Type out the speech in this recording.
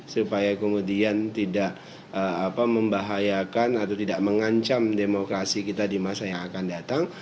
supaya kemudian tidak membahayakan atau tidak mengancam demokrasi kita di masa yang akan datang